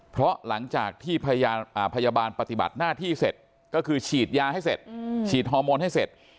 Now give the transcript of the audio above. เพราะหลังจากที่พยาบาลปฏิบัติหน้าที่เสร็จก็คือฉีดยาให้เสร็จฉีดฮอร์โมนให้เสร็จ